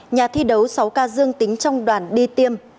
nhà thi đấu sáu ca dương tính trong đoàn đi tiêm